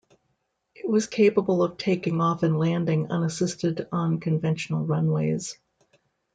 It was capable of taking off and landing unassisted on conventional runways.